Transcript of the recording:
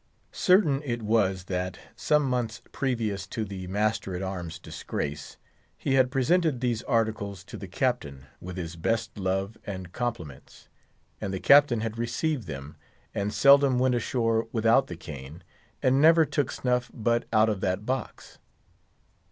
Certain it was that, some months previous to the master at arms' disgrace, he had presented these articles to the Captain, with his best love and compliments; and the Captain had received them, and seldom went ashore without the cane, and never took snuff but out of that box.